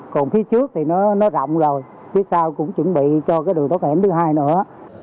còn phía trước thì nó rộng rồi phía sau cũng chuẩn bị cho cái đường tốt hẻm thứ hai nữa